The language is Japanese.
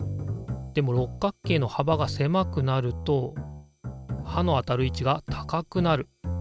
でも六角形のはばがせまくなるとはの当たる位置が高くなる。